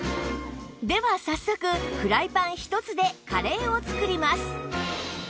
では早速フライパンひとつでカレーを作ります